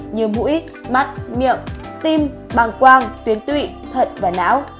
như mũi mắt miệng tim băng quang tuyến tụy thận và não